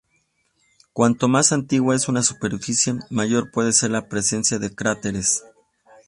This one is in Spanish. Cuanto más antigua es una superficie, mayor puede ser la presencia de cráteres.